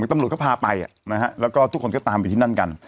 ตำรวจเขาพาไปแล้วก็ทุกคนก็ตามไปที่นั่นกัน